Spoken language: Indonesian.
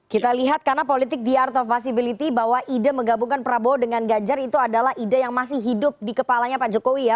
kita lihat karena politik the art of possibility bahwa ide menggabungkan prabowo dengan ganjar itu adalah ide yang masih hidup di kepalanya pak jokowi ya